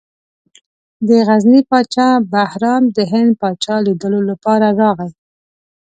د غزني پاچا بهرام د هند پاچا لیدلو لپاره راغی.